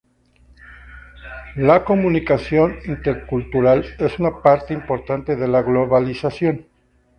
La comunicación intercultural es una parte importante de la globalización.